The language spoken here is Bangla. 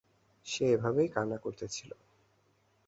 সে এভাবেই কান্না করতে ছিল।